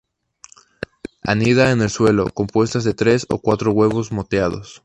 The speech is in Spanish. Anida en el suelo, con puestas de tres o cuatro huevos moteados.